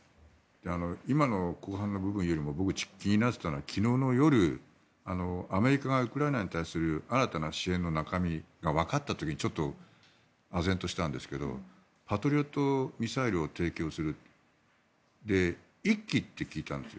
今の後半の部分よりも僕が気になっていたのは昨日の夜アメリカがウクライナに対する新たな支援の中身がわかった時にあぜんとしたんですけどパトリオットミサイルを提供するのは１基と聞いたんです。